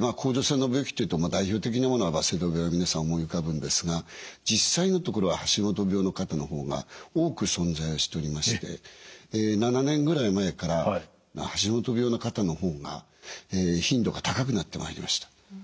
まあ甲状腺の病気っていうと代表的なものはバセドウ病は皆さん思い浮かぶんですが実際のところは橋本病の方のほうが多く存在しておりまして７年ぐらい前から橋本病の方のほうが頻度が高くなってまいりました。